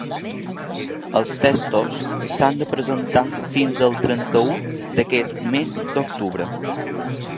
Els textos s’han de presentar fins el trenta-u d’aquest mes d’octubre.